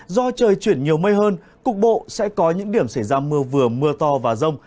do trời chuyển nhiều mây hơn cục bộ sẽ có những điểm xảy ra mưa vừa mưa to và rông